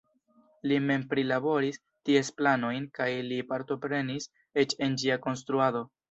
Li mem prilaboris ties planojn kaj li partoprenis eĉ en ĝia konstruado.